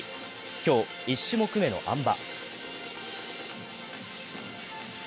今日１種目めのあん馬。